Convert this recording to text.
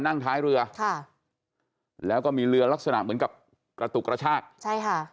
นั่งท้ายเรือค่ะแล้วก็มีเรือลักษณะเหมือนกับกระตุกกระชากใช่ค่ะ